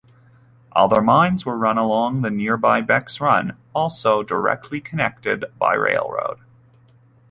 Other mines were along the nearby Becks Run, also directly connected by railroad.